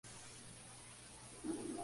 Además, llegó a ser Ministro de Marina.